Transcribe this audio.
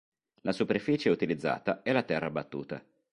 La superficie utilizzata è la terra battuta.